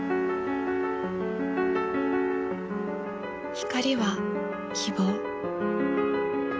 光は希望。